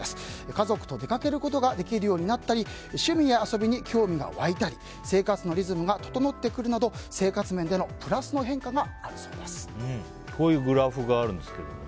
家族と出かけることができるようになったり趣味や遊びに興味が湧いたり生活のリズムが整ってくるなど生活面でのプラスの変化がこういうグラフがあるんですね。